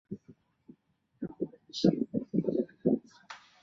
唐祈毕业于西北联大文学院。